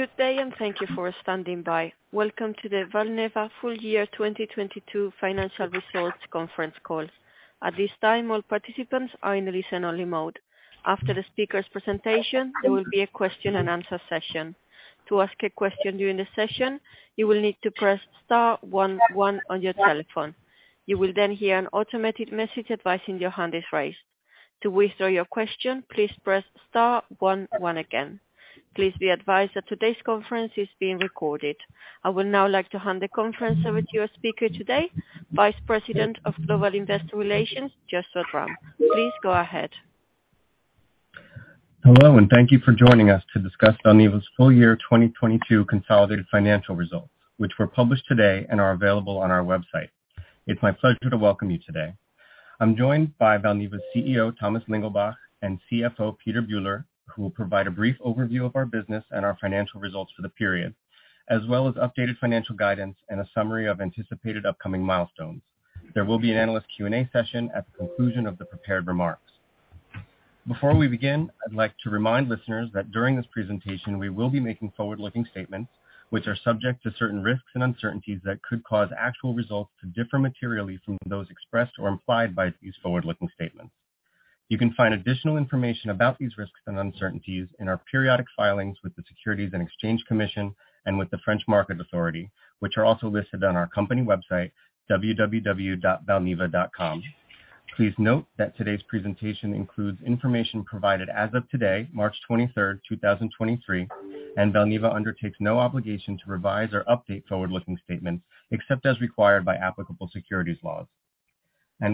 Good day, and thank you for standing by. Welcome to the Valneva full year 2022 financial results conference call. At this time, all participants are in listen only mode. After the speaker's presentation, there will be a question and answer session. To ask a question during the session, you will need to press star one one on your telephone. You will then hear an automated message advising your hand is raised. To withdraw your question, please press star one one again. Please be advised that today's conference is being recorded. I would now like to hand the conference over to your speaker today, Vice President of Global Investor Relations, Joshua Drumm. Please go ahead. Hello, and thank you for joining us to discuss Valneva's full year 2022 consolidated financial results, which were published today and are available on our website. It's my pleasure to welcome you today. I'm joined by Valneva's CEO, Thomas Lingelbach, and CFO, Peter Buhler, who will provide a brief overview of our business and our financial results for the period, as well as updated financial guidance and a summary of anticipated upcoming milestones. There will be an analyst Q&A session at the conclusion of the prepared remarks. Before we begin, I'd like to remind listeners that during this presentation we will be making forward-looking statements, which are subject to certain risks and uncertainties that could cause actual results to differ materially from those expressed or implied by these forward-looking statements. You can find additional information about these risks and uncertainties in our periodic filings with the Securities and Exchange Commission and with the French Market Authority, which are also listed on our company website, www.valneva.com. Please note that today's presentation includes information provided as of today, March 23, 2023, and Valneva undertakes no obligation to revise or update forward-looking statements except as required by applicable securities laws.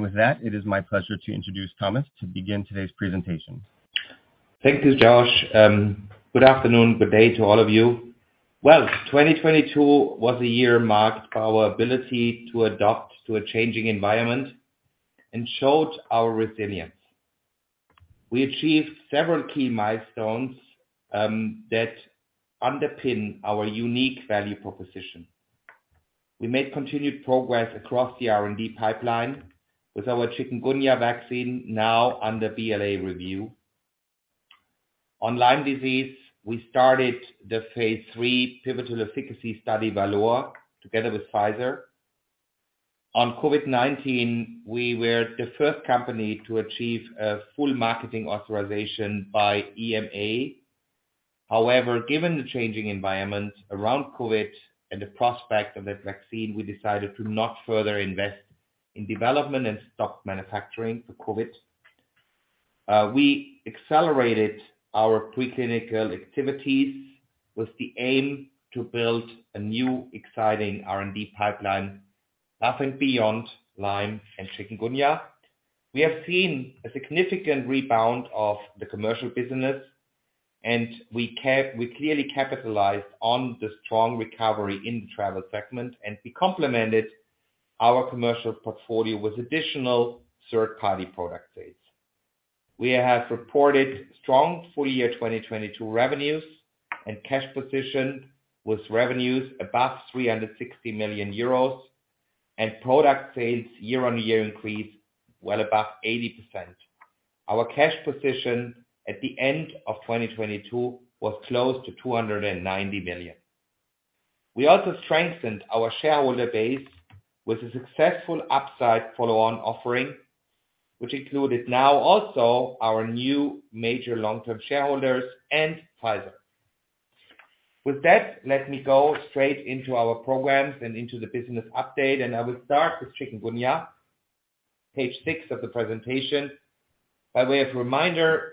With that, it is my pleasure to introduce Thomas to begin today's presentation. Thank you, Josh. Good afternoon, good day to all of you. Well, 2022 was a year marked by our ability to adapt to a changing environment and showed our resilience. We achieved several key milestones that underpin our unique value proposition. We made continued progress across the R&D pipeline with our chikungunya vaccine now under BLA review. On Lyme disease, we started the phase III pivotal efficacy study, VALOR, together with Pfizer. On COVID-19, we were the first company to achieve a full marketing authorization by EMA. Given the changing environment around COVID and the prospect of that vaccine, we decided to not further invest in development and stock manufacturing for COVID. We accelerated our pre-clinical activities with the aim to build a new, exciting R&D pipeline above and beyond Lyme and chikungunya. We have seen a significant rebound of the commercial business and we clearly capitalized on the strong recovery in the travel segment and we complemented our commercial portfolio with additional third party product sales. We have reported strong full year 2022 revenues and cash position with revenues above 360 million euros and product sales year-on-year increase well above 80%. Our cash position at the end of 2022 was close to 290 million. We also strengthened our shareholder base with a successful upside follow on offering which included now also our new major long-term shareholders and Pfizer. With that, let me go straight into our programs and into the business update and I will start with chikungunya. Page six of the presentation. By way of reminder,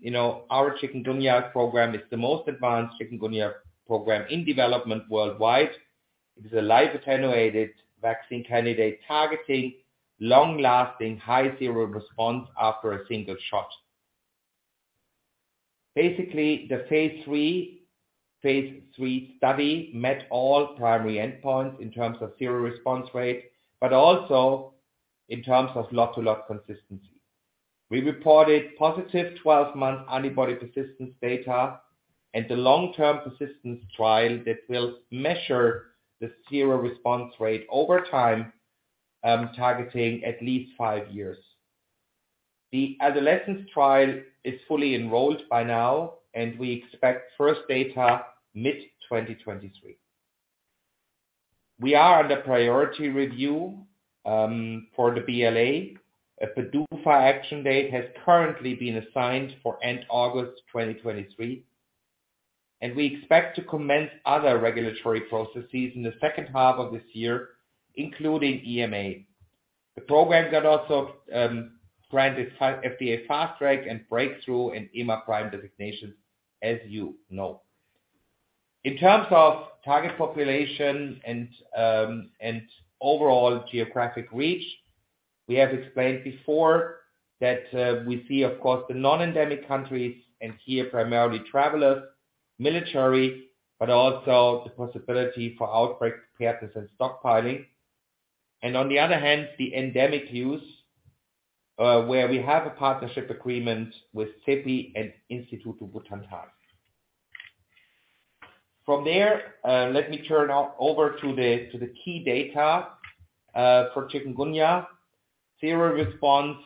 you know, our chikungunya program is the most advanced chikungunya program in development worldwide. It is a live attenuated vaccine candidate targeting long-lasting high seroresponse after a single shot. Basically, the phase III study met all primary endpoints in terms of seroresponse rate, but also in terms of lot-to-lot consistency. We reported positive 12-month antibody persistence data and the long-term persistence trial that will measure the seroresponse rate over time, targeting at least five years. The adolescence trial is fully enrolled by now and we expect first data mid-2023. We are under priority review for the BLA. A PDUFA action date has currently been assigned for end August 2023. We expect to commence other regulatory processes in the second half of this year including EMA. The program got also granted FDA Fast Track and Breakthrough and EMA PRIME designations as you know. In terms of target population and overall geographic reach, we have explained before that we see of course the non-endemic countries and here primarily travelers, military, but also the possibility for outbreak preparedness and stockpiling. On the other hand the endemic use, where we have a partnership agreement with CEPI and Instituto Butantan. From there, let me turn over to the key data for chikungunya. Seroresponse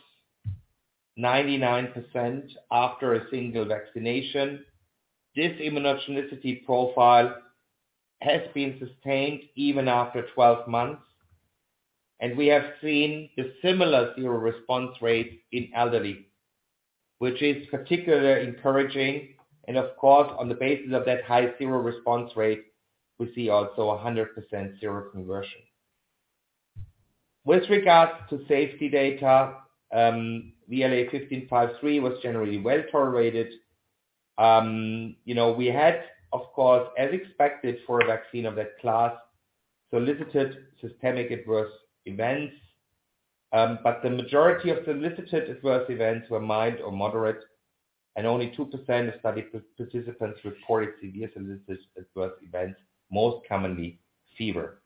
99% after a single vaccination. This immunogenicity profile has been sustained even after 12 months. We have seen a similar seroresponse rate in elderly, which is particularly encouraging. Of course, on the basis of that high seroresponse rate, we see also a 100% seroconversion. With regards to safety data, VLA1553 was generally well tolerated. You know, we had, of course, as expected for a vaccine of that class, solicited systemic adverse events. The majority of solicited adverse events were mild or moderate, and only 2% of study participants reported severe solicited adverse events, most commonly fever.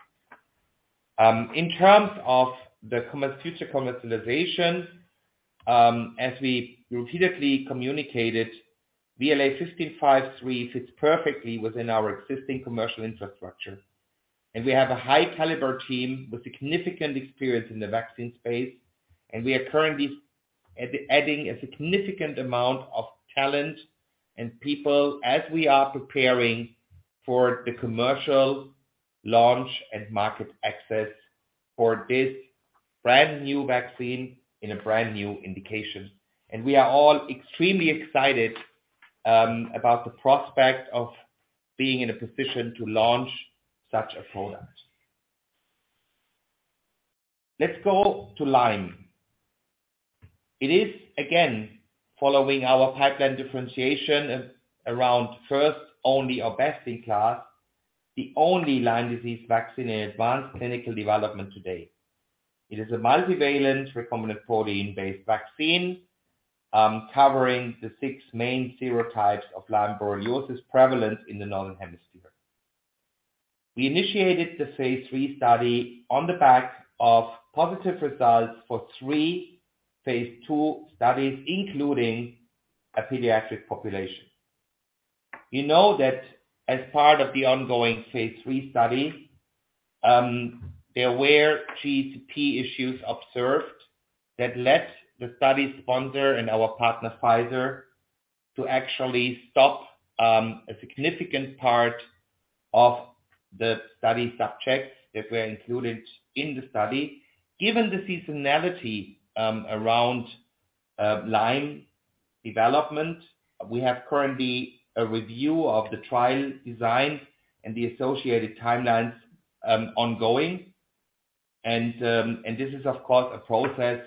In terms of the commercial, future commercialization, as we repeatedly communicated, VLA1553 fits perfectly within our existing commercial infrastructure. We have a high caliber team with significant experience in the vaccine space, we are currently adding a significant amount of talent and people as we are preparing for the commercial launch and market access for this brand-new vaccine in a brand-new indication. We are all extremely excited about the prospect of being in a position to launch such a product. Let's go to Lyme. It is, again, following our pipeline differentiation around first, only, or best-in-class, the only Lyme disease vaccine in advanced clinical development today. It is a multivalent recombinant protein-based vaccine, covering the six main serotypes of Lyme borreliosis prevalent in the Northern Hemisphere. We initiated the phase III study on the back of positive results for three phase II studies, including a pediatric population. You know that as part of the ongoing phase III study, there were GCP issues observed that led the study sponsor and our partner, Pfizer, to actually stop a significant part of the study subjects that were included in the study. Given the seasonality around Lyme development, we have currently a review of the trial design and the associated timelines ongoing. This is of course a process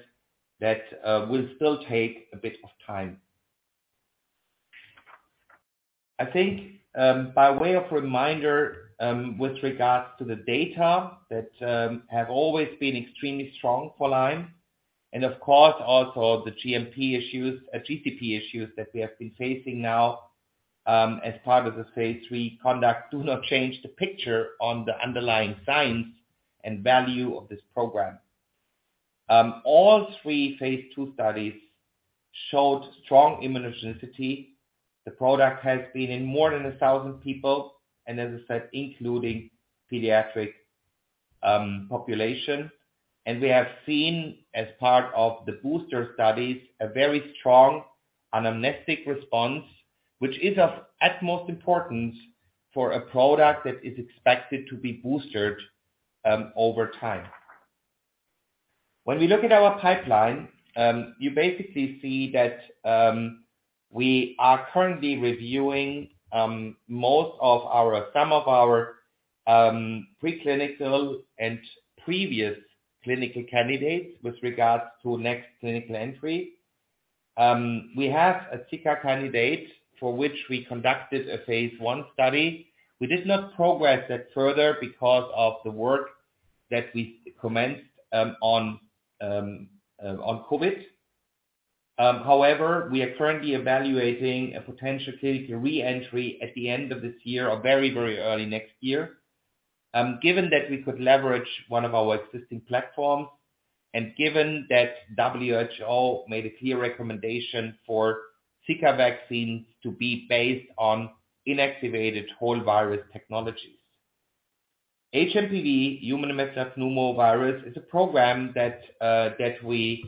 that will still take a bit of time. I think, by way of reminder, with regards to the data that have always been extremely strong for Lyme and of course also the GMP issues, GCP issues that we have been facing now, as part of the phase III conduct do not change the picture on the underlying science and value of this program. All three phase II studies showed strong immunogenicity. The product has been in more than 1,000 people and as I said, including pediatric population. We have seen as part of the booster studies a very strong anamnestic response, which is of utmost importance for a product that is expected to be boostered over time. When we look at our pipeline, you basically see that we are currently reviewing most of our, some of our, pre-clinical and previous clinical candidates with regards to next clinical entry. We have a Zika candidate for which we conducted a phase I study. We did not progress that further because of the work that we commenced on COVID. However, we are currently evaluating a potential clinical re-entry at the end of this year or very, very early next year, given that we could leverage one of our existing platforms and given that WHO made a clear recommendation for Zika vaccines to be based on inactivated whole virus technologies. HMPV, human metapneumovirus, is a program that we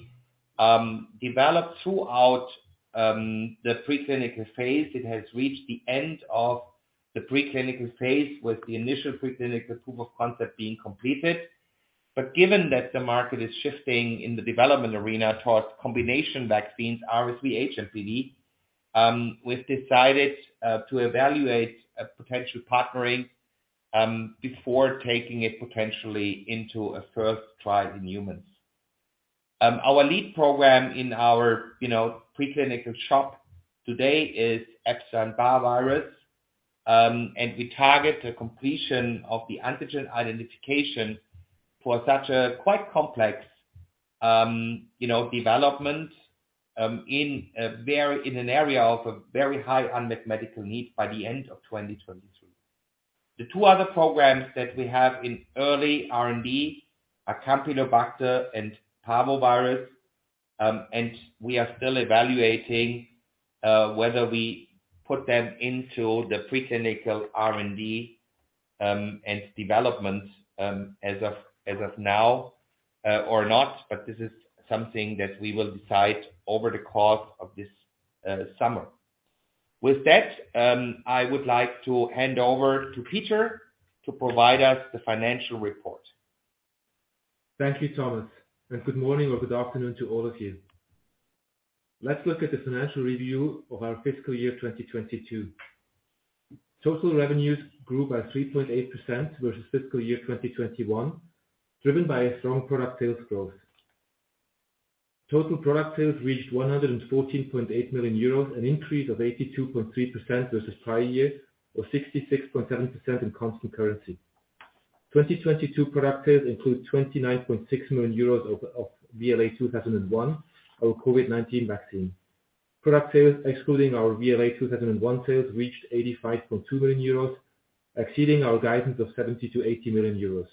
developed throughout the pre-clinical phase. It has reached the end of the pre-clinical phase with the initial pre-clinical proof of concept being completed. Given that the market is shifting in the development arena towards combination vaccines, RSV HMPV, we've decided to evaluate a potential partnering before taking it potentially into a first trial in humans. Our lead program in our, you know, pre-clinical shop today is Epstein-Barr virus, and we target the completion of the antigen identification for such a quite complex, you know, development, in a very, in an area of a very high unmet medical need by the end of 2023. The two other programs that we have in early R&D are Campylobacter and Parvovirus. We are still evaluating whether we put them into the pre-clinical R&D and development as of now or not, but this is something that we will decide over the course of this summer. With that, I would like to hand over to Peter to provide us the financial report. Thank you, Thomas, and good morning or good afternoon to all of you. Let's look at the financial review of our fiscal year 2022. Total revenues grew by 3.8% versus fiscal year 2021, driven by a strong product sales growth. Total product sales reached 114.8 million euros, an increase of 82.3% versus prior year or 66.7% in constant currency. 2022 product sales include 29.6 million euros of VLA2001, our COVID-19 vaccine. Product sales excluding our VLA2001 sales reached 85.2 million euros, exceeding our guidance of 70 million-80 million euros.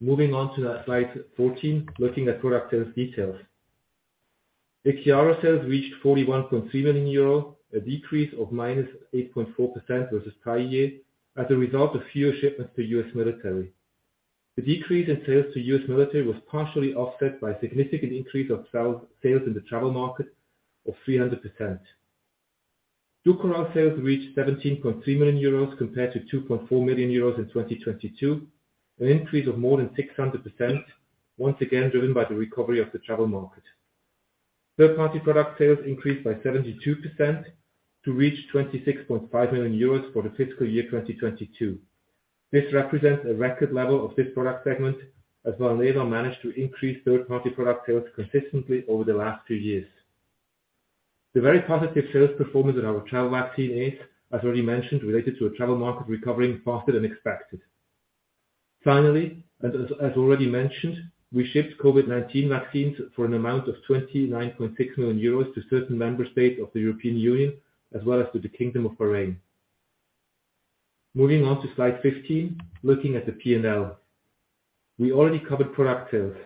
Moving on to slide 14, looking at product sales details. The IXIARO sales reached 41.3 million euro, a decrease of -8.4% versus prior year as a result of fewer shipments to U.S. military. The decrease in sales to U.S. military was partially offset by significant increase of travel sales in the travel market of 300%. DUKORAL sales reached 17.3 million euros compared to 2.4 million euros in 2022, an increase of more than 600%, once again driven by the recovery of the travel market. Third-party product sales increased by 72% to reach 26.5 million euros for the fiscal year 2022. This represents a record level of this product segment, as Valneva managed to increase third-party product sales consistently over the last two years. The very positive sales performance in our travel vaccine is, as already mentioned, related to a travel market recovering faster than expected. Finally, as already mentioned, we shipped COVID-19 vaccines for an amount of 29.6 million euros to certain member states of the European Union as well as to the Kingdom of Bahrain. Moving on to slide 15, looking at the P&L. We already covered product sales.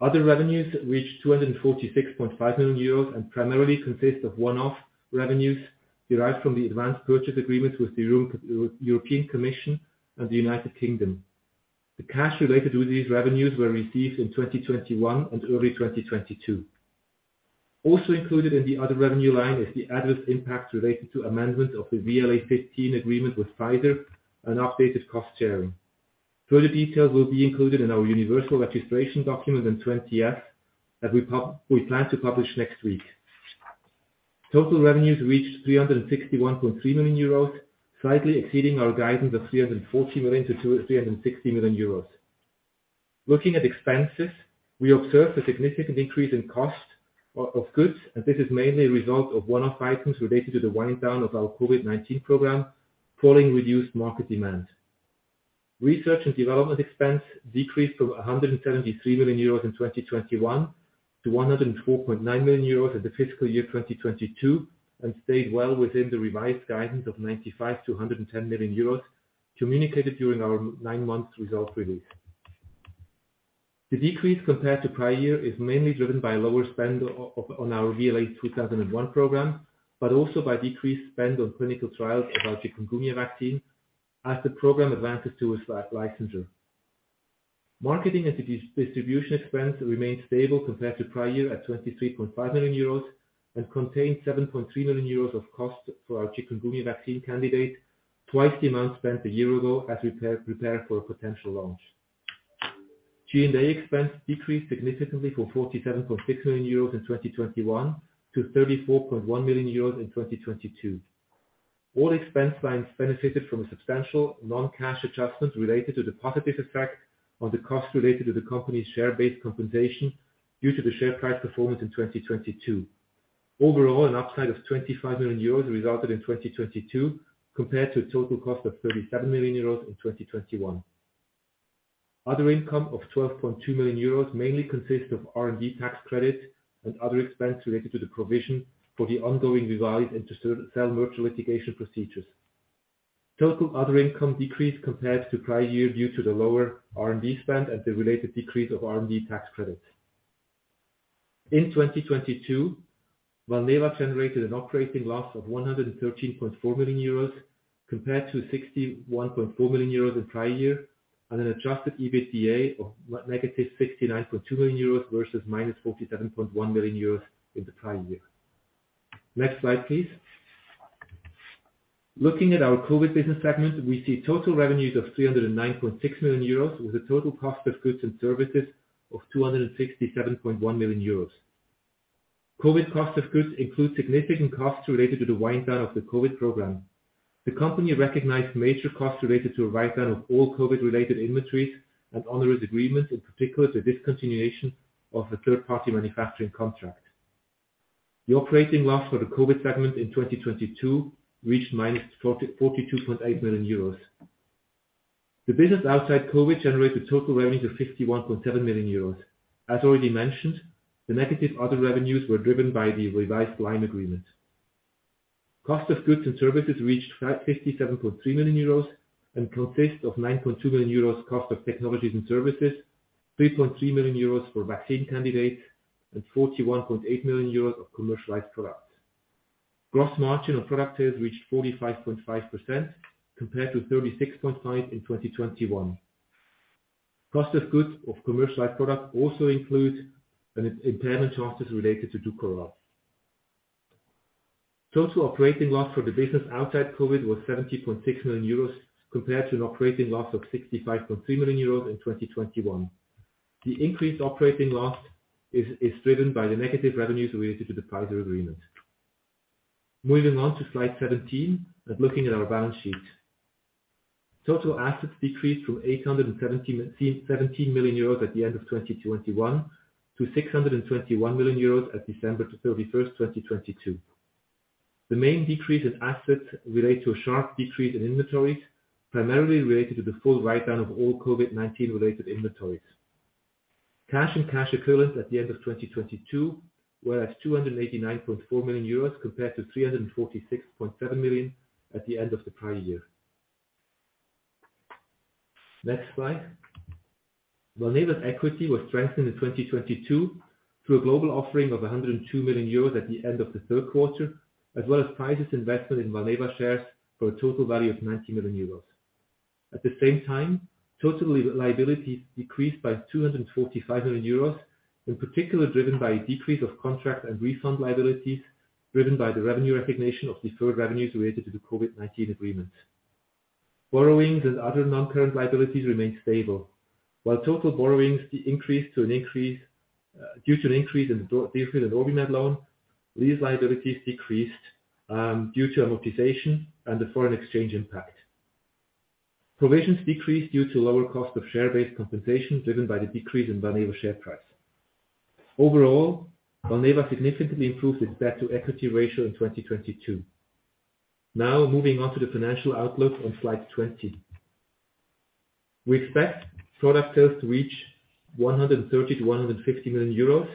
Other revenues reached 246.5 million euros and primarily consist of one-off revenues derived from the advanced purchase agreements with the European Commission and the United Kingdom. The cash related with these revenues were received in 2021 and early 2022. Also included in the other revenue line is the adverse impact related to amendment of the VLA15 agreement with Pfizer and updated cost sharing. Further details will be included in our Universal Registration Document in 20-F that we plan to publish next week. Total revenues reached 361.3 million euros, slightly exceeding our guidance of 340 million-360 million euros. Looking at expenses, we observed a significant increase in cost of goods. This is mainly a result of one-off items related to the wind down of our COVID-19 program following reduced market demand. Research and development expense decreased from 173 million euros in 2021 to 104.9 million euros in the fiscal year 2022 and stayed well within the revised guidance of 95 million-110 million euros communicated during our nine-month result release. The decrease compared to prior year is mainly driven by lower spend on our VLA2001 program, but also by decreased spend on clinical trials of our chikungunya vaccine as the program advances to its licensure. Marketing and distribution expense remained stable compared to prior year at 23.5 million euros and contained 7.3 million euros of cost for our chikungunya vaccine candidate, twice the amount spent a year ago as prepared for a potential launch. G&A expense decreased significantly from 47.6 million euros in 2021 to 34.1 million euros in 2022. All expense lines benefited from a substantial non-cash adjustment related to the positive effect on the cost related to the company's share-based compensation due to the share price performance in 2022. Overall, an upside of 25 million euros resulted in 2022 compared to a total cost of 37 million euros in 2021. Other income of 12.2 million euros mainly consists of R&D tax credits and other expenses related to the provision for the ongoing revised and to sell virtual litigation procedures. Total other income decreased compared to prior year due to the lower R&D spend and the related decrease of R&D tax credits. In 2022, Valneva generated an operating loss of 113.4 million euros compared to 61.4 million euros in prior year and an adjusted EBITDA of -69.2 million euros versus -47.1 million euros in the prior year. Next slide, please. Looking at our COVID business segment, we see total revenues of 309.6 million euros with a total cost of goods and services of 267.1 million euros. COVID cost of goods includes significant costs related to the wind down of the COVID program. The company recognized major costs related to a write down of all COVID-related inventories and onerous agreements, in particular, the discontinuation of the third-party manufacturing contract. The operating loss for the COVID segment in 2022 reached -44.28 million euros. The business outside COVID generated total revenues of 51.7 million euros. As already mentioned, the negative other revenues were driven by the revised Lyme agreement. Cost of goods and services reached 57.3 million euros and consists of 9.2 million euros cost of technologies and services. 3.3 million euros for vaccine candidates and 41.8 million euros of commercialized products. Gross margin of product sales reached 45.5% compared to 36.5% in 2021. Cost of goods of commercialized products also include an impairment charges related to DUKORAL. Total operating loss for the business outside COVID was 70.6 million euros compared to an operating loss of 65.3 million euros in 2021. The increased operating loss is driven by the negative revenues related to the Pfizer agreement. Moving on to slide 17 and looking at our balance sheet. Total assets decreased from 817, 17 million euros at the end of 2021 to 621 million euros as December 31, 2022. The main decrease in assets relate to a sharp decrease in inventories, primarily related to the full write down of all COVID-19 related inventories. Cash and cash equivalents at the end of 2022 were at 289.4 million euros compared to 346.7 million at the end of the prior year. Next slide. Valneva’s equity was strengthened in 2022 through a global offering of 102 million euros at the end of the third quarter, as well as prices invested in Valneva shares for a total value of 90 million euros. At the same time, total liability decreased by 245 million euros, in particular driven by a decrease of contract and refund liabilities, driven by the revenue recognition of deferred revenues related to the COVID-19 agreement. Borrowings and other non-current liabilities remain stable. While total borrowings increased due to an increase in the deferred and orbit loan, these liabilities decreased due to amortization and the foreign exchange impact. Provisions decreased due to lower cost of share-based compensation driven by the decrease in Valneva share price. Overall, Valneva significantly improved its debt to equity ratio in 2022. Now, moving on to the financial outlook on slide 20. We expect product sales to reach 130 million-150 million euros,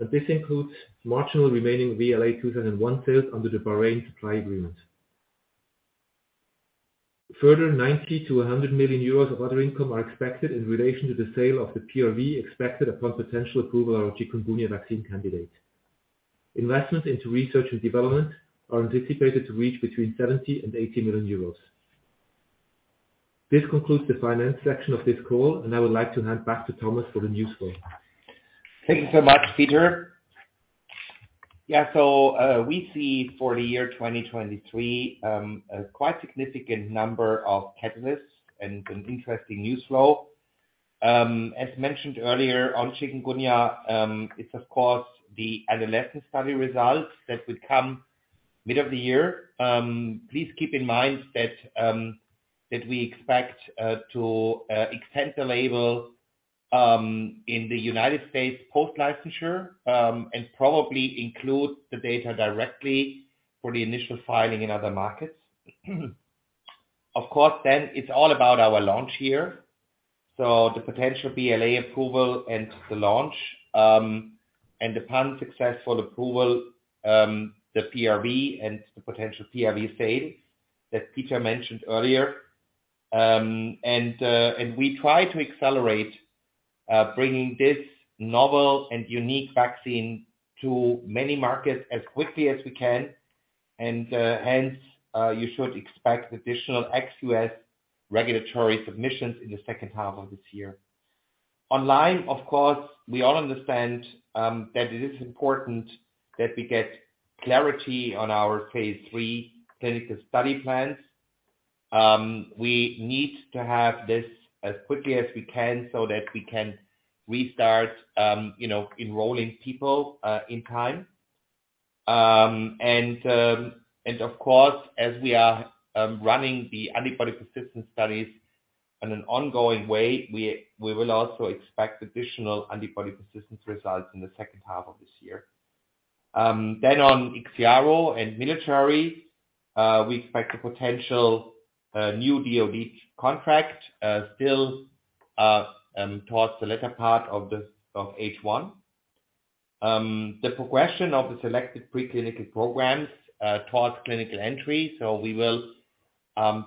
and this includes marginal remaining VLA2001 sales under the Bahrain supply agreement. 90 million-100 million euros of other income are expected in relation to the sale of the PRV, expected upon potential approval of our chikungunya vaccine candidate. Investment into research and development are anticipated to reach between 70 million and 80 million euros. This concludes the finance section of this call. I would like to hand back to Thomas for the news flow. Thank you so much, Peter. We see for the year 2023, a quite significant number of catalysts and an interesting news flow. As mentioned earlier on chikungunya, it's of course the adolescent study results that would come mid of the year. Please keep in mind that we expect to extend the label in the United States post licensure, and probably include the data directly for the initial filing in other markets. Of course, it's all about our launch here. The potential BLA approval and the launch, and upon successful approval, the PRV and the potential PRV sale that Peter mentioned earlier. We try to accelerate bringing this novel and unique vaccine to many markets as quickly as we can. Hence, you should expect additional ex-US regulatory submissions in the second half of this year. On Lyme, of course, we all understand that it is important that we get clarity on our phase III clinical study plans. We need to have this as quickly as we can so that we can restart, you know, enrolling people in time. Of course, as we are running the antibody persistence studies in an ongoing way, we will also expect additional antibody persistence results in the second half of this year. On IXIARO and military, we expect a potential new DoD contract still towards the latter part of the H1. The progression of the selected preclinical programs towards clinical entry. We will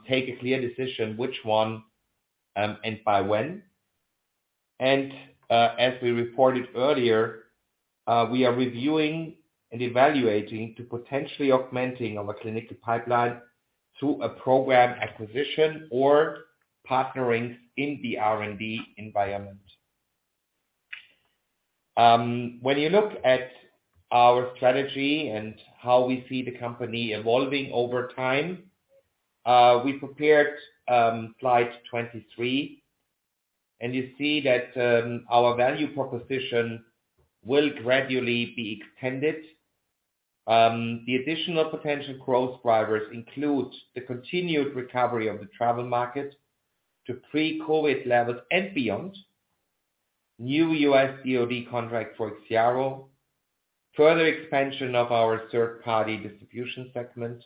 take a clear decision which one and by when. As we reported earlier, we are reviewing and evaluating to potentially augmenting our clinical pipeline through a program acquisition or partnering in the R&D environment. When you look at our strategy and how we see the company evolving over time, we prepared slide 23. You see that our value proposition will gradually be extended. The additional potential growth drivers include the continued recovery of the travel market to pre-COVID levels and beyond. New U.S. DoD contract for IXIARO. Further expansion of our third party distribution segment.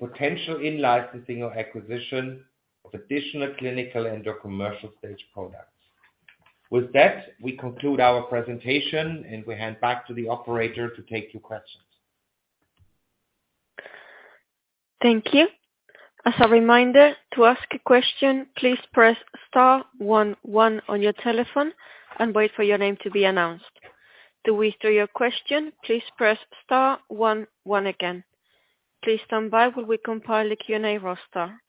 Potential in-licensing or acquisition of additional clinical and or commercial stage products. With that, we conclude our presentation, and we hand back to the operator to take your questions. Thank you. As a reminder to ask a question, please press star one one on your telephone and wait for your name to be announced. To withdraw your question, please press star one one again. Please stand by while we compile a Q&A roster.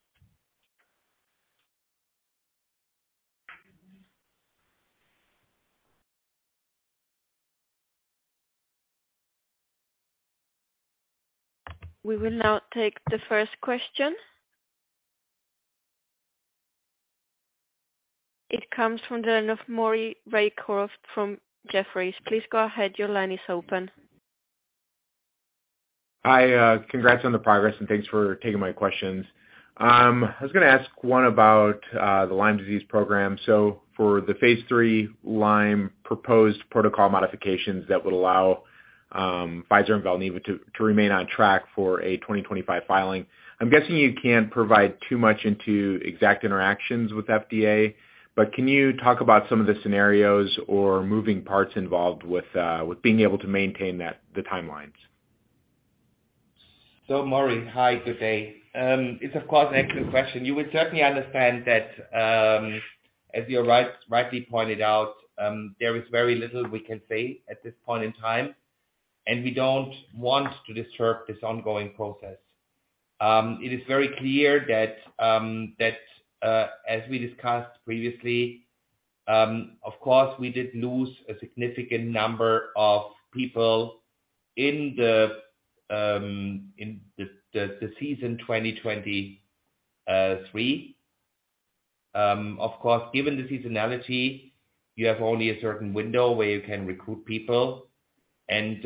We will now take the first question. It comes from the line of Maury Raycroft from Jefferies. Please go ahead. Your line is open. Hi, congrats on the progress, thanks for taking my questions. I was gonna ask one about the Lyme disease program. For the phase III Lyme proposed protocol modifications that would allow Pfizer and Valneva to remain on track for a 2025 filing. I'm guessing you can't provide too much into exact interactions with FDA, but can you talk about some of the scenarios or moving parts involved with being able to maintain the timelines? Maury, hi, good day. It's of course an excellent question. You will certainly understand that, as you rightly pointed out, there is very little we can say at this point in time, and we don't want to disturb this ongoing process. It is very clear that, as we discussed previously, of course, we did lose a significant number of people in the season 2023. Of course, given the seasonality, you have only a certain window where you can recruit people and,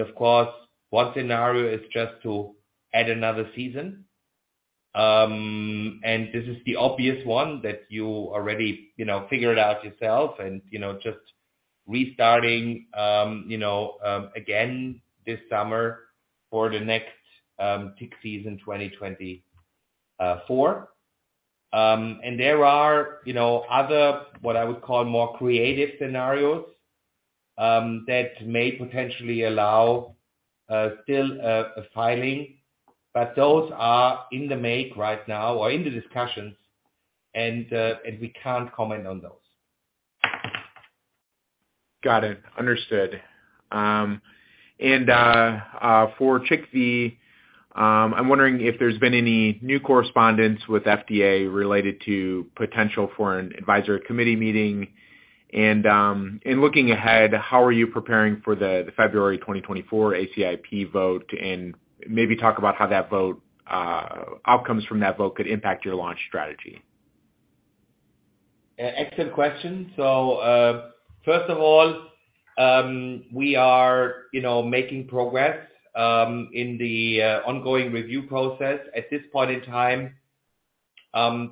of course, one scenario is just to add another season. This is the obvious one that you already, you know, figured out yourself and, you know, just restarting, you know, again this summer for the next tick season, 2024. There are, you know, other, what I would call more creative scenarios, that may potentially allow, still, a filing, but those are in the make right now or in the discussions and we can't comment on those. Got it. Understood. For IXCHIQ, I'm wondering if there's been any new correspondence with FDA related to potential for an advisory committee meeting. In looking ahead, how are you preparing for the February 2024 ACIP vote? Maybe talk about how that vote, outcomes from that vote could impact your launch strategy. Excellent question. First of all, we are, you know, making progress in the ongoing review process. At this point in time,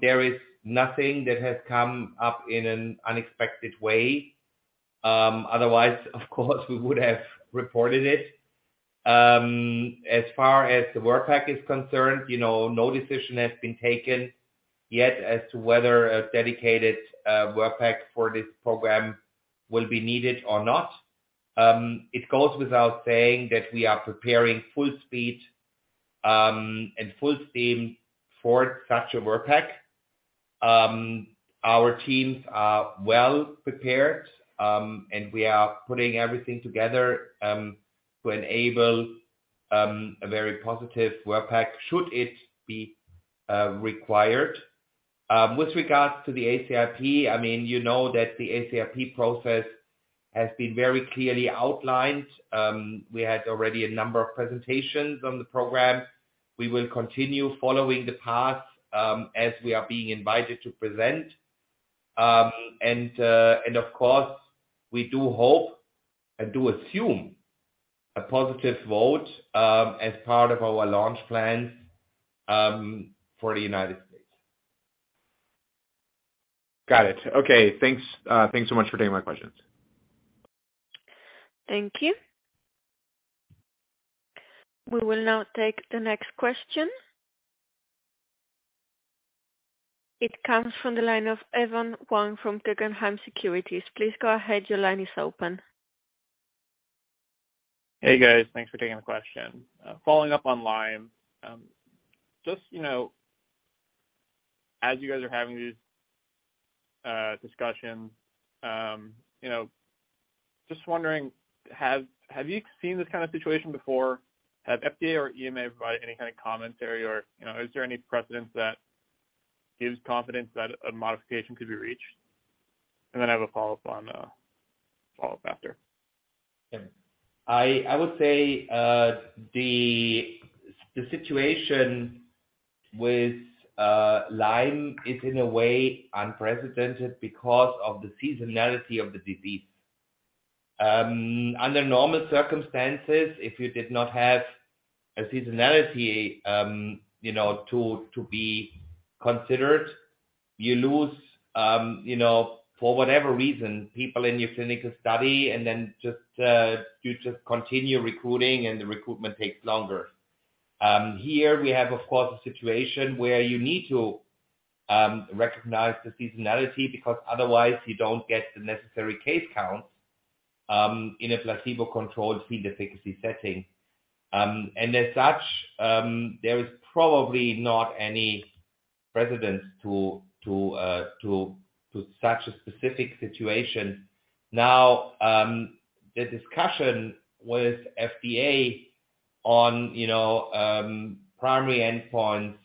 there is nothing that has come up in an unexpected way. Otherwise, of course, we would have reported it. As far as the Work Package is concerned, you know, no decision has been taken yet as to whether a dedicated Work Package for this program will be needed or not. It goes without saying that we are preparing full speed and full steam for such a Work Package. Our teams are well prepared, and we are putting everything together to enable a very positive Work Package should it be required. With regards to the ACIP, I mean, you know that the ACIP process has been very clearly outlined. We had already a number of presentations on the program. We will continue following the path as we are being invited to present. Of course, we do hope and do assume a positive vote as part of our launch plans for the United States. Got it. Okay. Thanks. thanks so much for taking my questions. Thank you. We will now take the next question. It comes from the line of Evan Wang from Guggenheim Securities. Please go ahead. Your line is open. Hey, guys. Thanks for taking the question. Following up on Lyme, just, you know, as you guys are having these discussions, you know, just wondering, have you seen this kind of situation before? Have FDA or EMA provided any kind of commentary or, you know, is there any precedence that gives confidence that a modification could be reached? I have a follow-up after. I would say, the situation with Lyme is in a way unprecedented because of the seasonality of the disease. Under normal circumstances, if you did not have a seasonality, you know, to be considered, you lose, you know, for whatever reason, people in your clinical study and then just, you just continue recruiting and the recruitment takes longer. Here we have, of course, a situation where you need to recognize the seasonality because otherwise you don't get the necessary case counts. In a placebo-controlled field efficacy setting. As such, there is probably not any precedence to such a specific situation. The discussion with FDA on, you know, primary endpoints,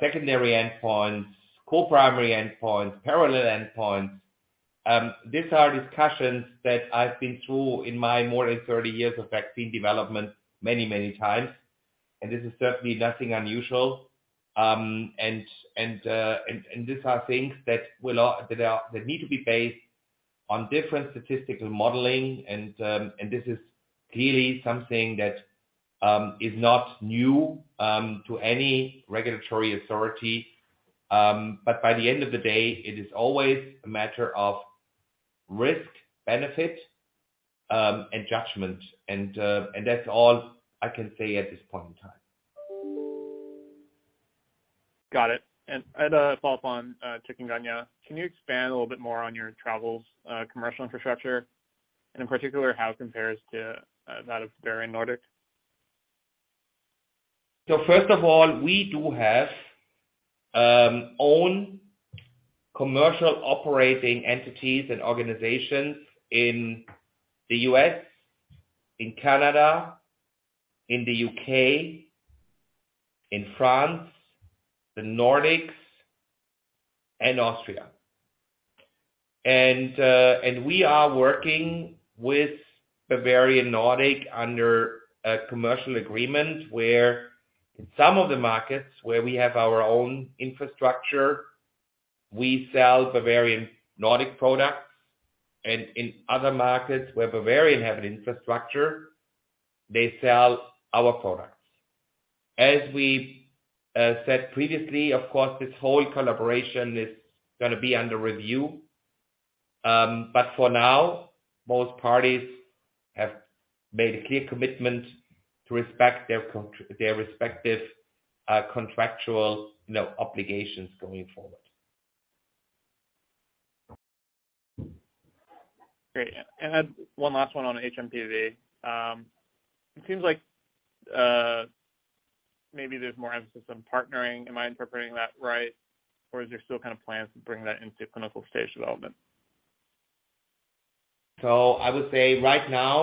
secondary endpoints, co-primary endpoints, parallel endpoints, these are discussions that I've been through in my more than 30 years of vaccine development many, many times, and this is certainly nothing unusual. These are things that will that need to be based on different statistical modeling and this is clearly something that is not new to any regulatory authority. By the end of the day, it is always a matter of risk, benefit, and judgment, and that's all I can say at this point in time. Got it. I had a follow-up on chikungunya. Can you expand a little bit more on your travels, commercial infrastructure, and in particular, how it compares to that of Bavarian Nordic? First of all, we do have own commercial operating entities and organizations in the U.S., in Canada, in the U.K., in France, the Nordics, and Austria. We are working with Bavarian Nordic under a commercial agreement where in some of the markets where we have our own infrastructure, we sell Bavarian Nordic products. In other markets where Bavarian have an infrastructure, they sell our products. As we said previously, of course, this whole collaboration is gonna be under review. For now, both parties have made a clear commitment to respect their respective contractual, you know, obligations going forward. Great. I had one last one on HMPV. It seems like, maybe there's more emphasis on partnering. Am I interpreting that right? Is there still plans to bring that into clinical stage development? I would say right now,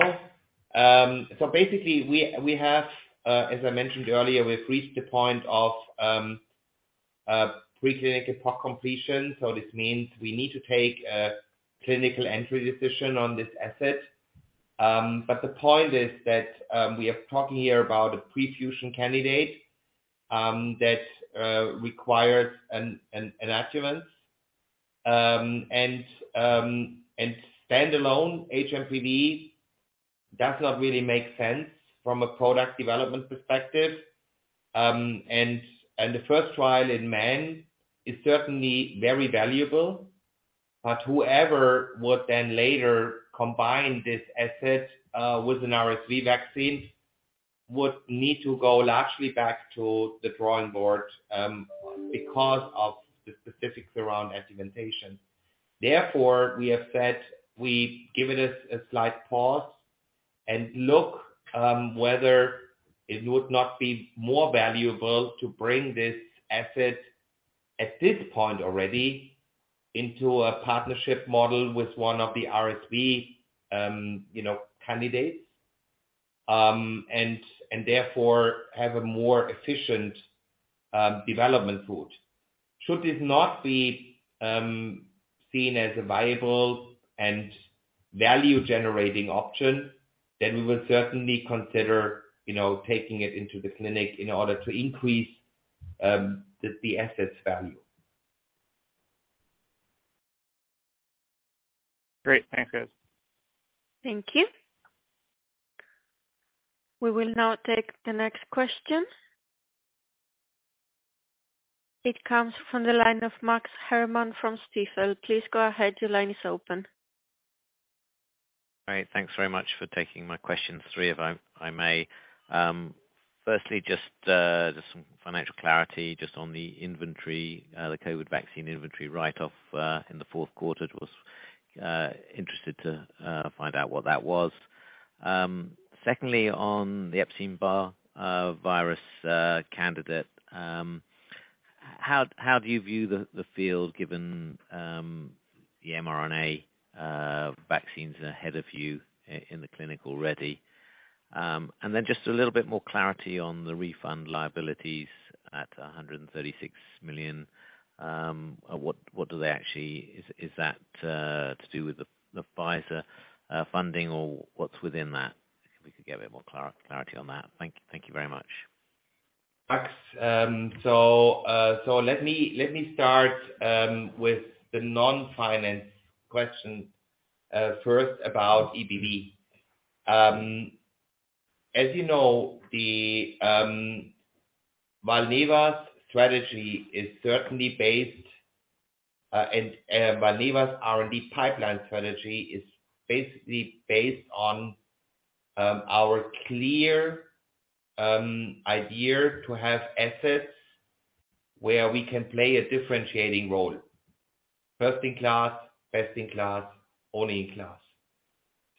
so basically we have, as I mentioned earlier, we've reached the point of pre-clinical POC completion, so this means we need to take a clinical entry decision on this asset. The point is that we are talking here about a pre-fusion candidate that requires an adjuvant. Standalone HMPV does not really make sense from a product development perspective. The first trial in men is certainly very valuable. Whoever would then later combine this asset with an RSV vaccine would need to go largely back to the drawing board because of the specifics around adjuvantation. Therefore, we have said we give it a slight pause and look whether it would not be more valuable to bring this asset at this point already into a partnership model with one of the RSV, you know, candidates and therefore have a more efficient development route. Should this not be seen as a viable and value-generating option, then we will certainly consider, you know, taking it into the clinic in order to increase the asset's value. Great. Thanks, guys. Thank you. We will now take the next question. It comes from the line of Max Herrmann from Stifel. Please go ahead. Your line is open. All right. Thanks very much for taking my questions, three if I may. Firstly, just some financial clarity just on the inventory, the COVID vaccine inventory write-off in the fourth quarter. Was interested to find out what that was. Secondly, on the Epstein-Barr virus candidate, how do you view the field given the mRNA vaccines ahead of you in the clinic already? Then just a little bit more clarity on the refund liabilities at 136 million. What do they actually... Is that to do with the Pfizer funding or what's within that? If we could get a bit more clarity on that. Thank you very much. Max, so let me start with the non-finance question first about EBV. As you know, the Valneva's strategy is certainly based and Valneva's R&D pipeline strategy is basically based on our clear idea to have assets where we can play a differentiating role. First in class, best in class, only in class.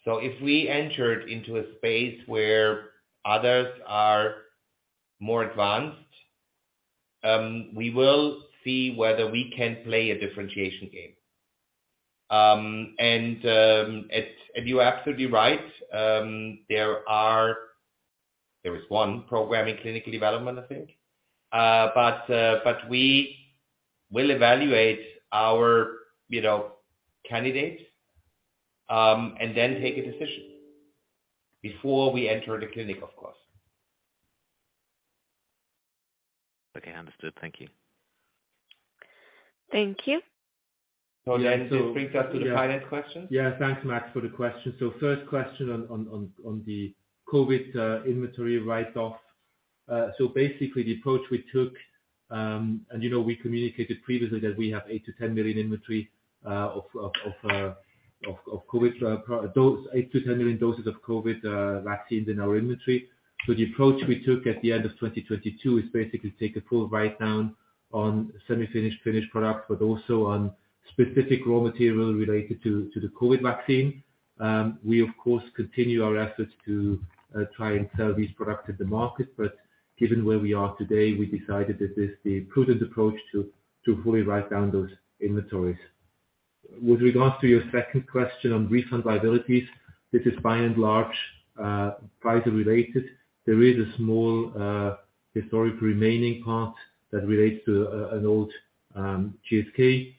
If we entered into a space where others are more advanced, we will see whether we can play a differentiation game. And you're absolutely right. There is one program in clinical development, I think. We will evaluate our, you know, candidates and then take a decision before we enter the clinic, of course. Okay. Understood. Thank you. Thank you. Oh, yeah. This brings us to the finance questions. Yeah, thanks, Max, for the question. First question on the COVID inventory write-off. Basically the approach we took, and, you know, we communicated previously that we have 8-10 million inventory of COVID pro- dose. 8-10 million doses of COVID vaccines in our inventory. The approach we took at the end of 2022 is basically take a full write-down on semi-finished, finished product, but also on specific raw material related to the COVID vaccine. We of course, continue our efforts to try and sell these products at the market, but given where we are today, we decided that this is the prudent approach to fully write down those inventories. With regards to your second question on refund liabilities, this is by and large, price related. There is a small, historic remaining part that relates to an old GSK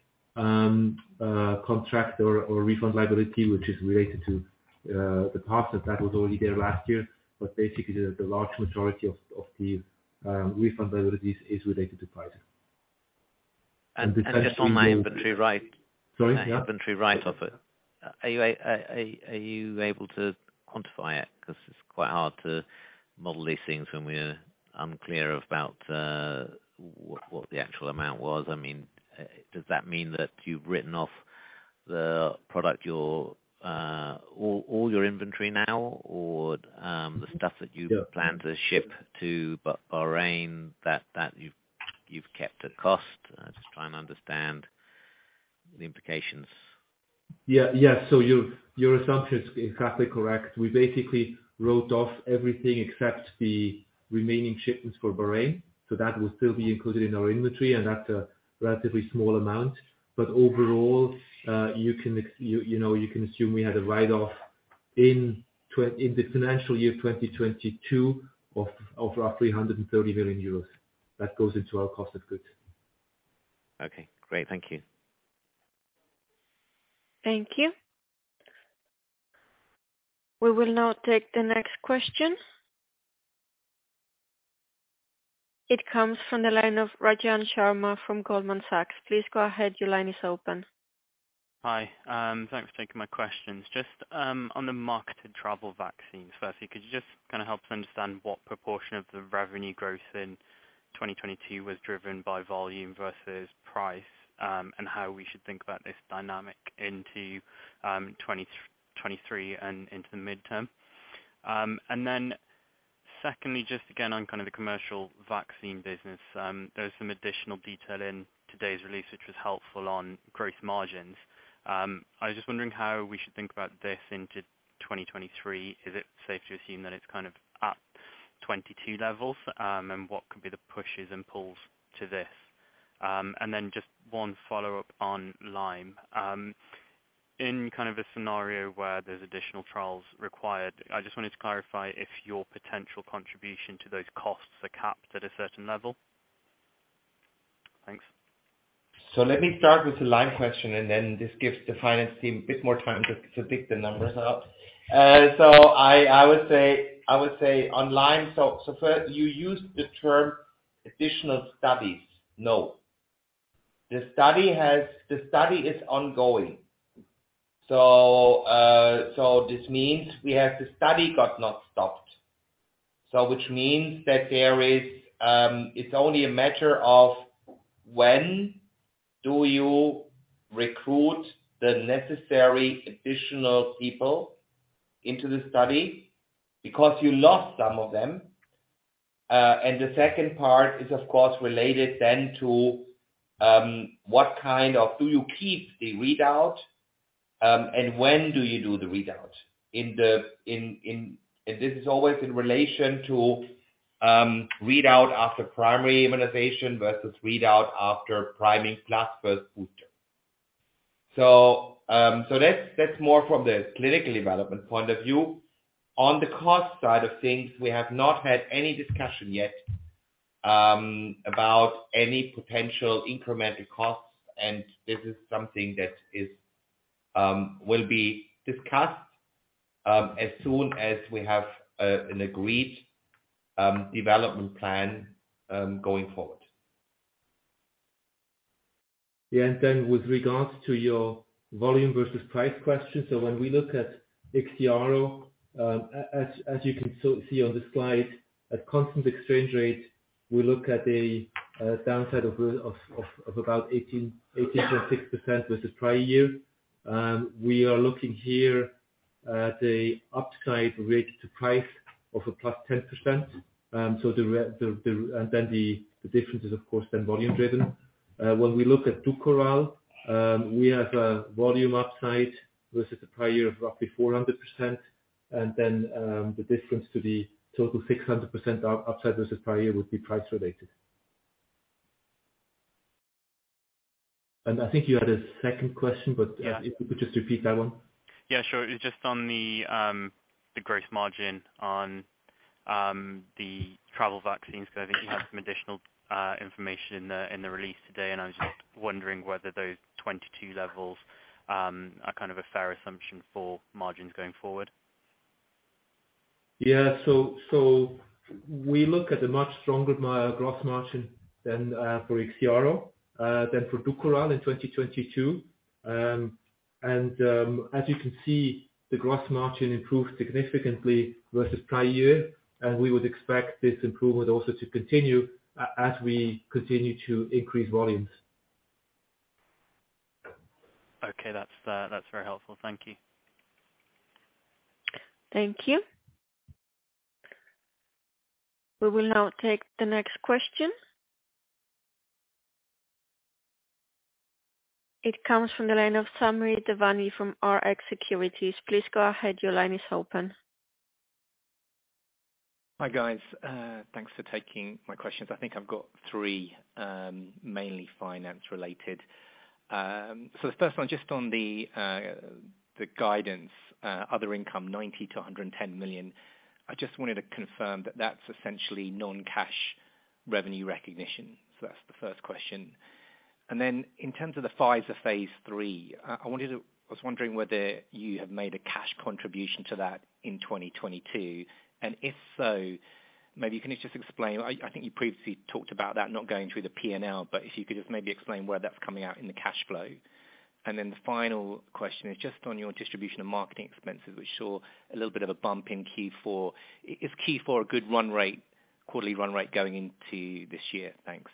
contract or refund liability, which is related to the past, that was already there last year. Basically the large majority of the refund liabilities is related to Pfizer. Just on my inventory write. Sorry, yeah. Inventory write off it. Are you able to quantify it? 'Cause it's quite hard to model these things when we're unclear about what the actual amount was. I mean, does that mean that you've written off the product your all your inventory now or the stuff that you plan to ship to Bahrain that you've kept the cost? I'm just trying to understand the implications. Yeah. Yeah. Your assumption is exactly correct. We basically wrote off everything except the remaining shipments for Bahrain, so that will still be included in our inventory and that's a relatively small amount. Overall, you know, you can assume we had a write-off in the financial year 2022 of roughly 130 million euros. That goes into our cost of goods. Okay, great. Thank you. Thank you. We will now take the next question. It comes from the line of Rajan Sharma from Goldman Sachs. Please go ahead. Your line is open. Hi. Thanks for taking my questions. Just on the marketed travel vaccines. Firstly, could you just kind of help to understand what proportion of the revenue growth in 2022 was driven by volume versus price, and how we should think about this dynamic into 2023 and into the midterm? Then secondly, just again on kind of the commercial vaccine business, there was some additional detail in today's release, which was helpful on growth margins. I was just wondering how we should think about this into 2023. Is it safe to assume that it's kind of at 22 levels? What could be the pushes and pulls to this? Then just one follow-up on Lyme. In kind of a scenario where there's additional trials required, I just wanted to clarify if your potential contribution to those costs are capped at a certain level. Thanks. Let me start with the Lyme question, and then this gives the finance team a bit more time to dig the numbers up. I would say on Lyme, first you used the term additional studies. No. The study is ongoing. This means we have the study got not stopped. Which means that there is, it's only a matter of when do you recruit the necessary additional people into the study because you lost some of them. The second part is of course, related then to, what kind of do you keep the readout, and when do you do the readout? And this is always in relation to, readout after primary immunization versus readout after priming plus first booster. that's more from the clinical development point of view. On the cost side of things, we have not had any discussion yet, about any potential incremental costs, and this is something that is, will be discussed, as soon as we have an agreed development plan going forward. Yeah. With regards to your volume versus price question. When we look at IXIARO, as you can see on the slide, at constant exchange rate, we look at a downside of about 18.6% versus prior year. We are looking here, the upside rate to price of a +10%. The difference is of course then volume driven. When we look at Dukoral, we have a volume upside versus the prior year of roughly 400%. The difference to the total 600% upside versus prior year would be price related. I think you had a second question. Yeah. If you could just repeat that one? Yeah, sure. It was just on the growth margin on the travel vaccines, 'cause I think you had some additional information in the release today. I was just wondering whether those 22 levels are kind of a fair assumption for margins going forward. Yeah. We look at a much stronger growth margin than for IXIARO than for DUKORAL in 2022. As you can see, the growth margin improved significantly versus prior year, and we would expect this improvement also to continue as we continue to increase volumes. Okay. That's, that's very helpful. Thank you. Thank you. We will now take the next question. It comes from the line of Samridh Devani from Rx Securities. Please go ahead. Your line is open. Hi, guys. Thanks for taking my questions. I think I've got three, mainly finance related. The first one, just on the guidance, other income, 90 million-110 million. I just wanted to confirm that that's essentially non-cash revenue recognition. That's the first question. In terms of the Pfizer phase III, I was wondering whether you have made a cash contribution to that in 2022, and if so, maybe can you just explain. I think you previously talked about that not going through the P&L, but if you could just maybe explain where that's coming out in the cash flow. The final question is just on your distribution of marketing expenses. We saw a little bit of a bump in Q4. Is Q4 a good run rate, quarterly run rate, going into this year? Thanks.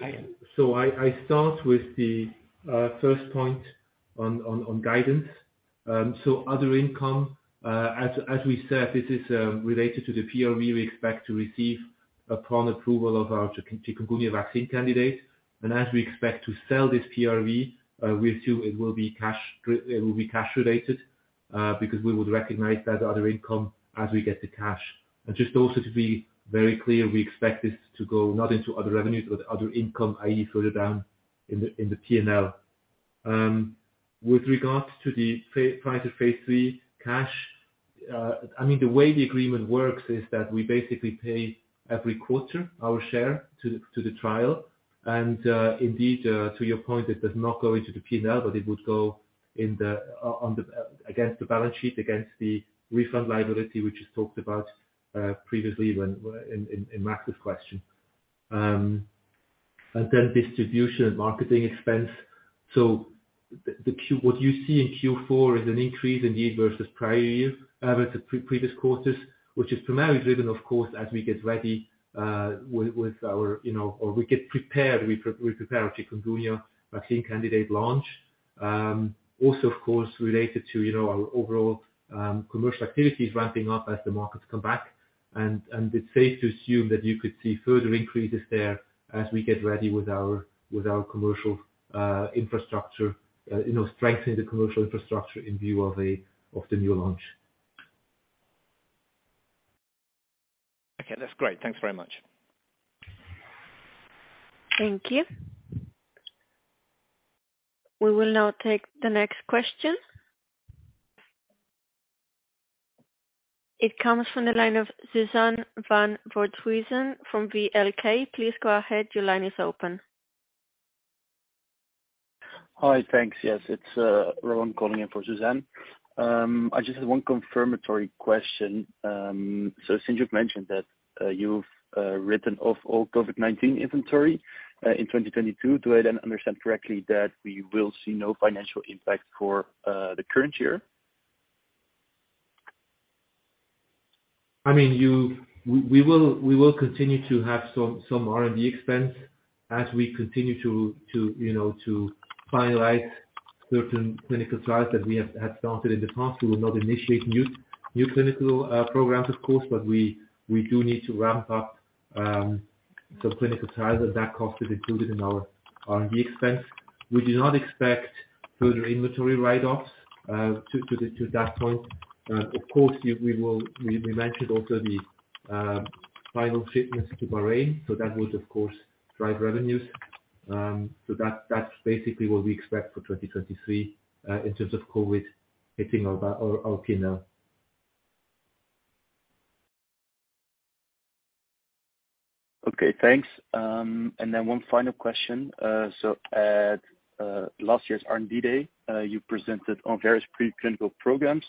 I start with the first point on guidance. Other income, as we said, this is related to the PRV we expect to receive upon approval of our Chikungunya vaccine candidate. As we expect to sell this PRV, we assume it will be cash related, because we would recognize that other income as we get the cash. Just also to be very clear, we expect this to go not into other revenues, but other income, i.e. further down in the P&L. With regards to the Pfizer Phase III cash, I mean the way the agreement works is that we basically pay every quarter our share to the trial. Indeed, to your point, it does not go into the P&L, but it would go against the balance sheet, against the refund liability, which is talked about previously when, in Max's question. Then distribution and marketing expense. What you see in Q4 is an increase indeed versus prior year, versus pre-previous quarters, which is primarily driven of course as we get ready, with our, you know, or we get prepared, we prepare our Chikungunya vaccine candidate launch. Also of course related to, you know, our overall commercial activities ramping up as the markets come back. It's safe to assume that you could see further increases there as we get ready with our commercial infrastructure, you know, strengthen the commercial infrastructure in view of the new launch. Okay. That's great. Thanks very much. Thank you. We will now take the next question. It comes from the line of Suzanne van Voorthuizen from VLK. Please go ahead. Your line is open. Hi. Thanks. Yes, it's Rowan calling in for Suzanne. I just have one confirmatory question. Since you've mentioned that you've written off all COVID-19 inventory in 2022, do I then understand correctly that we will see no financial impact for the current year? I mean, we will continue to have some R&D expense as we continue to, you know, to finalize certain clinical trials that we have started in the past. We will not initiate new clinical programs of course, but we do need to ramp up some clinical trials, and that cost is included in our R&D expense. We do not expect further inventory write-offs to that point. Of course, we will, we mentioned also the final shipments to Bahrain, that would of course drive revenues. That's basically what we expect for 2023 in terms of COVID hitting our P&L. Okay, thanks. One final question. At last year's R&D Day, you presented on various pre-clinical programs,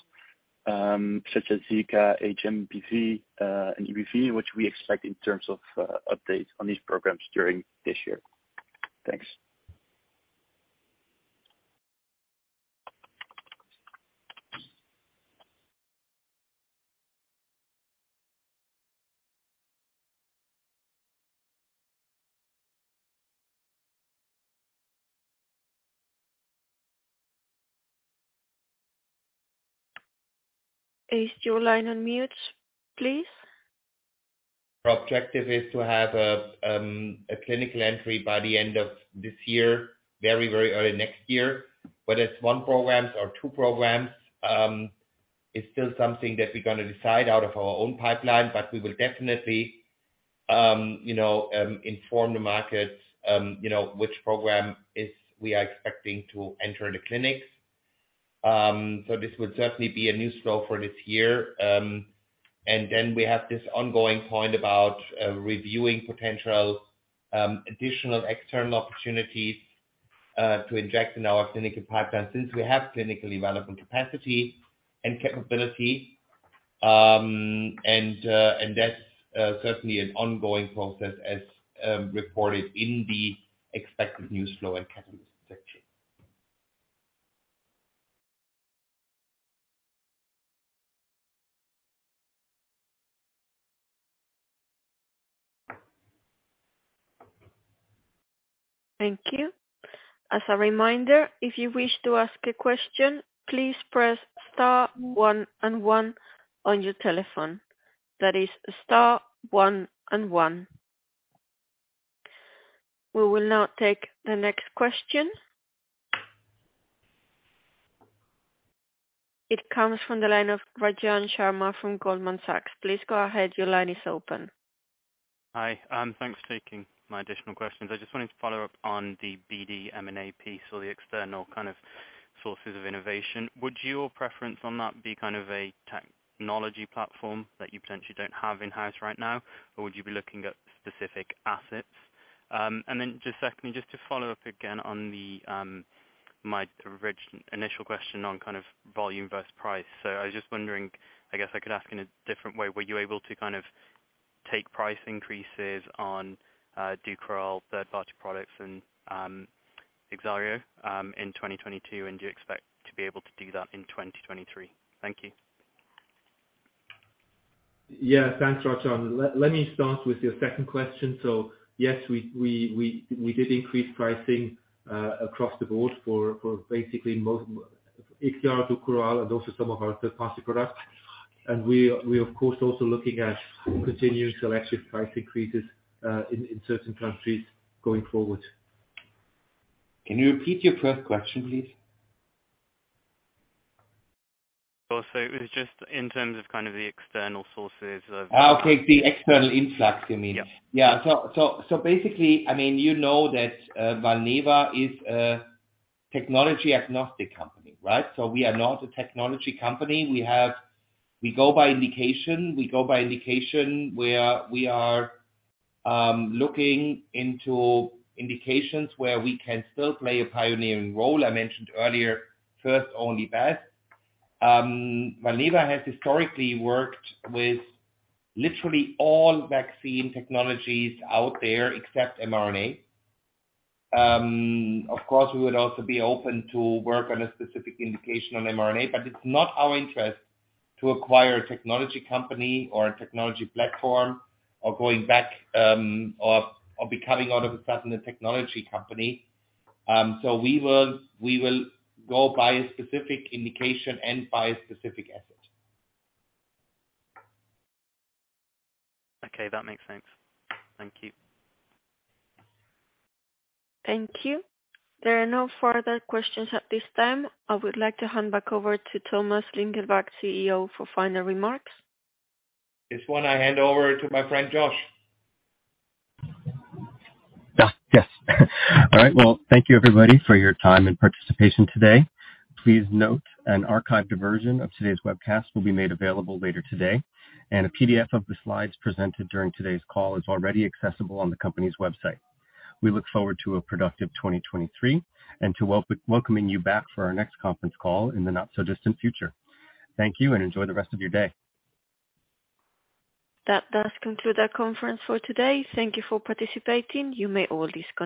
such as Zika, HMPV, and EBV, which we expect in terms of updates on these programs during this year. Thanks. Is your line on mute, please? Our objective is to have a clinical entry by the end of this year, very early next year. Whether it's one program or two programs, is still something that we're gonna decide out of our own pipeline, but we will definitely, you know, inform the markets, you know, which program is we are expecting to enter the clinics. This would certainly be a new news flow for this year. We have this ongoing point about reviewing potential additional external opportunities to inject in our clinical pipeline since we have clinically relevant capacity and capability. That's certainly an ongoing process as reported in the expected news flow and catalyst section. Thank you. As a reminder, if you wish to ask a question, please press star one and one on your telephone. That is star one and one. We will now take the next question. It comes from the line of Rajan Sharma from Goldman Sachs. Please go ahead. Your line is open. Hi. Thanks for taking my additional questions. I just wanted to follow up on the BD M&A piece or the external kind of sources of innovation. Would your preference on that be kind of a technology platform that you potentially don't have in-house right now, or would you be looking at specific assets? Then just secondly, just to follow up again on the initial question on kind of volume versus price. I was just wondering, I guess I could ask in a different way, were you able to kind of take price increases on DUKORAL, third-party products and IXIARO in 2022, and do you expect to be able to do that in 2023? Thank you. Thanks, Rajan. Let me start with your second question. Yes, we did increase pricing across the board for basically most—IXIARO, DUKORAL, and also some of our third-party products. We of course also looking at continuing selective price increases in certain countries going forward. Can you repeat your first question, please? Sure. It was just in terms of kind of the external sources of- Oh, okay. The external influx, you mean? Yeah. Basically, I mean, you know that Valneva is a technology agnostic company, right? We are not a technology company. We go by indication. We go by indication where we are looking into indications where we can still play a pioneering role. I mentioned earlier, first, only best. Valneva has historically worked with literally all vaccine technologies out there except mRNA. Of course, we would also be open to work on a specific indication on mRNA, but it's not our interest to acquire a technology company or a technology platform or going back or becoming out of a sudden a technology company. We will go by a specific indication and by a specific asset. Okay. That makes sense. Thank you. Thank you. There are no further questions at this time. I would like to hand back over to Thomas Lingelbach, CEO, for final remarks. This one I hand over to my friend, Josh. Yes. All right. Well, thank you everybody for your time and participation today. Please note an archived version of today's webcast will be made available later today. A PDF of the slides presented during today's call is already accessible on the company's website. We look forward to a productive 2023 and to welcoming you back for our next conference call in the not so distant future. Thank you. Enjoy the rest of your day. That does conclude our conference for today. Thank you for participating. You may all disconnect.